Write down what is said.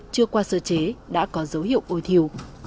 chưa qua sơ chế đã có dấu hiệu ôi thiêu